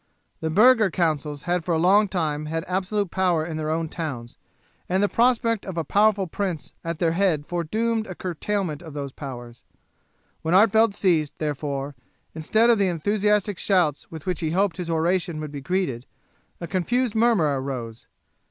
The burgher councils had for a long time had absolute power in their own towns, and the prospect of a powerful prince at their head foredoomed a curtailment of those powers. When Artevelde ceased, therefore, instead of the enthusiastic shouts with which he hoped his oration would be greeted, a confused murmur arose.